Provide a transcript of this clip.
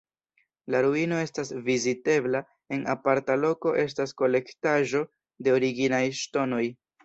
La ruino estas vizitebla, en aparta loko estas kolektaĵo de originaj ŝtonoj.